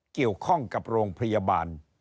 เกี่ยวข้องกับโรงพยาบาล